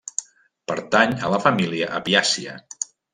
Pertany a la família apiàcia.